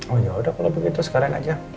oh yaudah kalau begitu sekarang aja